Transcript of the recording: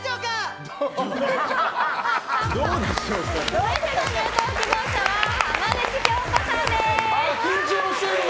続いての入党希望者は浜口京子さんです。